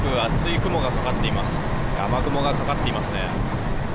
雨雲がかかっていますね。